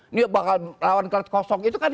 ini bakal lawan kelas kosong itu kan